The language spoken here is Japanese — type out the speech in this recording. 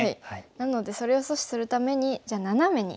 なのでそれを阻止するためにじゃあナナメに打ってみます。